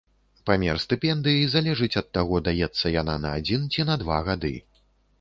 Памер стыпендыі залежыць ад таго, даецца яна на адзін ці на два гады.